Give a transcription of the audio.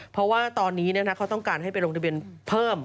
เพราะว่าตอนนี้เขาต้องการให้ไปลงทะเบียนเพิ่ม